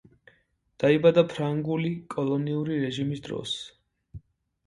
დაიბადა ფრანგული კოლონიური რეჟიმის დროს.